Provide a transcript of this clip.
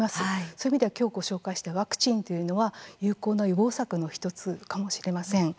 そういう意味では今日ご紹介したワクチンというのは有効な予防策の１つかもしれません。